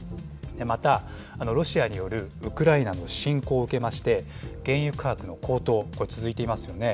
また、ロシアによるウクライナの侵攻を受けまして、原油価格の高騰、これ、続いていますよね。